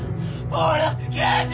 「暴力刑事！」